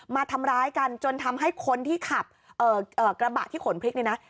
มาทำร้ายกันจนทำให้คนที่ขับกระบะที่ขนพริกเนี่ยนะ